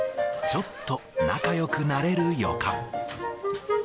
ちょっと仲よくなれる予感。